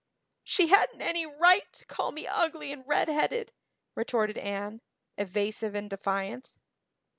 "She hadn't any right to call me ugly and redheaded," retorted Anne, evasive and defiant.